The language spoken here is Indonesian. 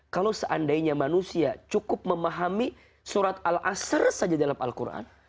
kalau seandainya manusia cukup memahami surat al asr saja dalam al quran